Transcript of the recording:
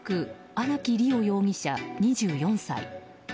荒木利陽容疑者、２４歳。